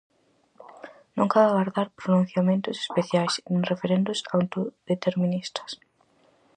Non cabe agardar pronunciamentos especiais, nin referendos autodeterministas.